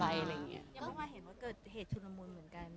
และคุณก็เห็นว่าเหตุชุนมูลเหมือนกัน